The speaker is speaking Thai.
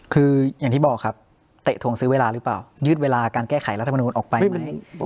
คืออย่างที่บอกครับเตะถวงซื้อเวลาหรือเปล่ายืดเวลาการแก้ไขรัฐมนุนออกไปไหม